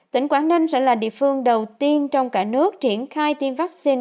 tỉnh quảng ninh sẽ là địa phương đầu tiên trong cả nước triển khai tiêm vaccine